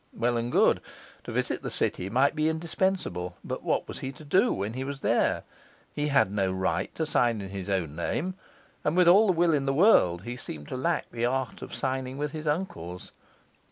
Well and good. To visit the city might be indispensable; but what was he to do when he was there? He had no right to sign in his own name; and, with all the will in the world, he seemed to lack the art of signing with his uncle's.